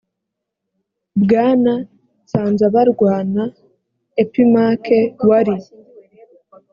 bwana nsanzabaganwa epimaque wari